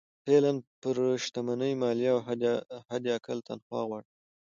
فعالان پر شتمنۍ مالیه او حداقل تنخوا غواړي.